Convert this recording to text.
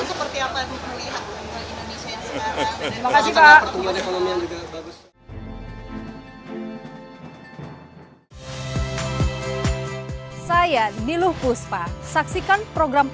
seperti apa yang terlihat dari indonesia sekarang